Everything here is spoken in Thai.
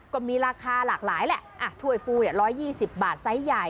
ก็มีราคาหลากหลายแหละถ้วยฟู๑๒๐บาทไซส์ใหญ่